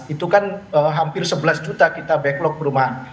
itu kan hampir sebelas juta kita backlog perumahan